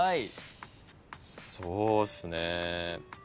そうっすね。